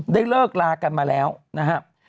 ได้เลิกลากันมาแล้วนะครับ